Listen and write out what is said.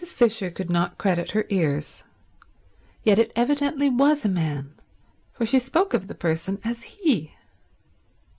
Mrs. Fisher could not credit her ears. Yet it evidently was a man, for she spoke of the person as he.